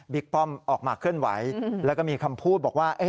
ป้อมออกมาเคลื่อนไหวแล้วก็มีคำพูดบอกว่า